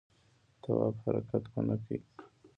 تواب حرکت ونه کړ.